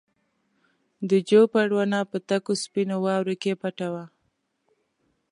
د جوپر ونه په تکو سپینو واورو کې پټه وه.